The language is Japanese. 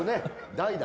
代打。